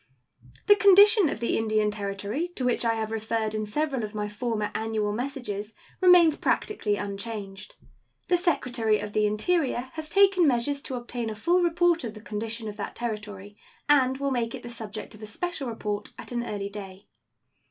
The condition of the Indian Territory, to which I have referred in several of my former annual messages, remains practically unchanged. The Secretary of the Interior has taken measures to obtain a full report of the condition of that Territory, and will make it the subject of a special report at an early day.